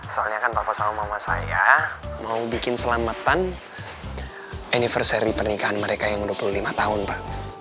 soalnya kan bapak sama mama saya mau bikin selamatan anniversary pernikahan mereka yang dua puluh lima tahun pak